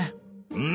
うん。